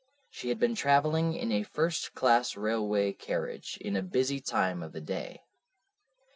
She had been travelling in a first class railway carriage in a busy time of the day.